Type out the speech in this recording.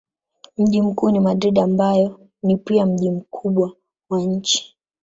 Mji mkuu ni Madrid ambayo ni pia mji mkubwa wa nchi.